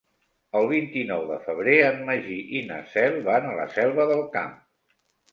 El vint-i-nou de febrer en Magí i na Cel van a la Selva del Camp.